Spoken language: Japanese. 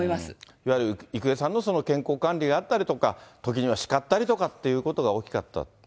いわゆる郁恵さんの健康管理があったりとか、時にはしかったりとかっていうことが大きかった？